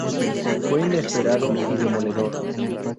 Fue inesperado y demoledor.